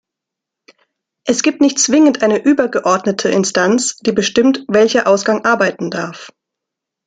Es gibt nicht zwingend eine übergeordnete Instanz, die bestimmt, welcher Ausgang arbeiten darf.